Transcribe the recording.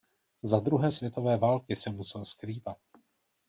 Za druhé světové války se musel skrývat.